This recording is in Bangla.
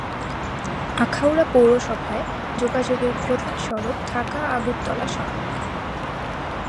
আখাউড়া পৌরসভায় যোগাযোগের প্রধান সড়ক ঢাকা-আগরতলা সড়ক।